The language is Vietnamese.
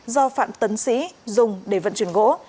do phạm tấn sĩ dùng để vận chuyển gỗ